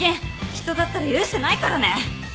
人だったら許してないからね！